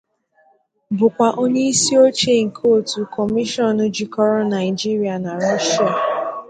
bụkwa onye isi oche nke otu kọmishọn jikọrọ Naịjirịa na Rọshịa.